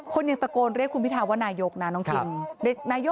ยังตะโกนเรียกคุณพิทาว่านายกนะน้องคิม